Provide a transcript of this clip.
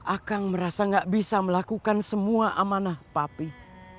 akang merasa gak bisa melakukan semua amanah papi